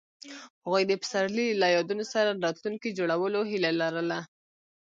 هغوی د پسرلی له یادونو سره راتلونکی جوړولو هیله لرله.